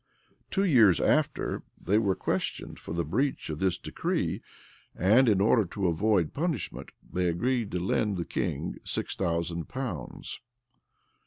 [*] Two years after, they were questioned for the breach of this decree; and in order to avoid punishment, they agreed to lend the king six thousand pounds.